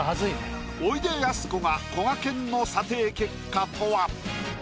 おいでやすこがこがけんの査定結果とは？